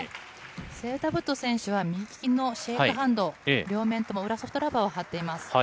セウタブット選手は、右利きのシェイクハンド、両面とも同じソフトラバーを張っています。